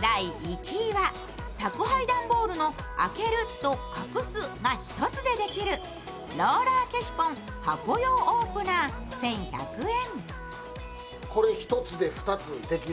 第１位は宅配段ボールの開けると隠すが一つでできるローラーケシポン箱用オープナー、１１００円。